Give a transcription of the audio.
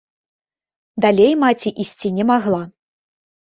Далей маці ісці не магла.